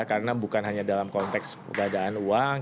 karena bukan hanya dalam konteks penggandaan uang